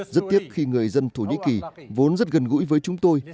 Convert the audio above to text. rất tiếc khi người dân thổ nhĩ kỳ vốn rất gần gũi với chúng tôi